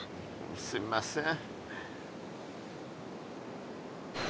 すみません。